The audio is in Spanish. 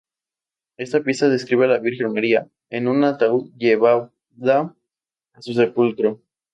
Esta pieza describe a la virgen María, en un ataúd llevada a su sepulcro.